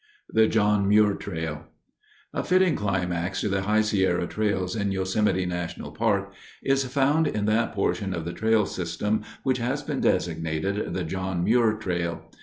The John Muir Trail A fitting climax to the High Sierra trails in Yosemite National Park is found in that portion of the trail system which has been designated the John Muir Trail.